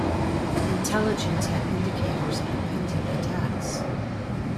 Intelligence had indicators of the pending attacks.